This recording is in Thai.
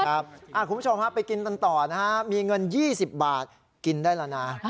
คุณผู้ชมไปกินต่อมีเงิน๒๐บาทกินได้แล้วนะ